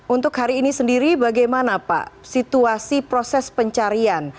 untuk hari ini sendiri bagaimana pak situasi proses pencarian